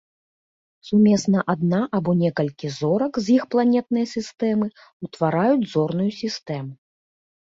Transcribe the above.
Сумесна адна або некалькі зорак і іх планетныя сістэмы ўтвараюць зорную сістэму.